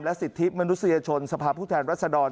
สิทธิมนุษยชนสภาพผู้แทนรัศดร